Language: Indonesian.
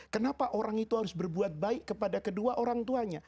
kenapa orang itu harus berbuat baik kepada kedua orang tuanya